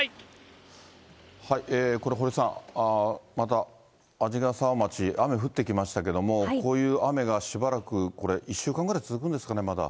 これ、堀さん、また鰺ヶ沢町、雨降ってきましたけども、こういう雨がしばらくこれ、１週間ぐらい続くんですかね、まだ。